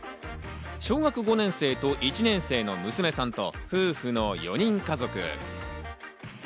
小学５年生と１年生の娘さんと夫婦の４人家族。